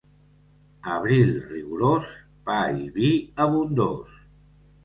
Abril rigorós, pa i vi abundós.